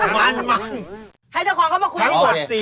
ใครจะขอเข้ามาคุยดีกว่า